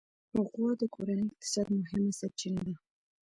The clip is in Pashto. غوا د کورني اقتصاد مهمه سرچینه ده.